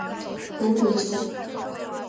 蒙古族。